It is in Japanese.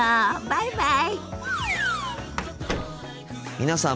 バイバイ。